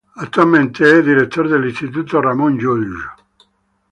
Actualmente es director del Instituto Ramon Llull.